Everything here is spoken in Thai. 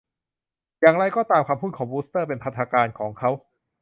อย่างไรก็ตาม คำพูดของวูสเตอร์เป็นพันธการของเขา